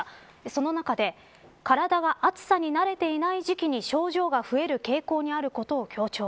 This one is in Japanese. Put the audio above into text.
その中で、体は暑さに慣れていない時期に症状が増える傾向にあることを強調。